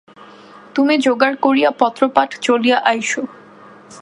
তুমি যোগাড় করিয়া পত্রপাঠ চলিয়া আইস।